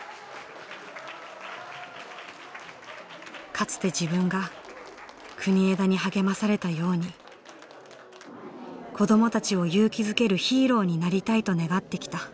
かつて自分が国枝に励まされたように子どもたちを勇気づけるヒーローになりたいと願ってきた。